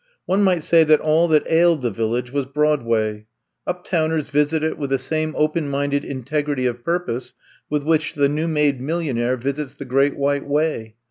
One might say that all that ailed the Village was Broadway. Uptown ers visit it with the same open minded in tegrity of purpose with which the new made millionaire visits the Great White Way.